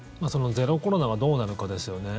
ゼロコロナがどうなのかですよね。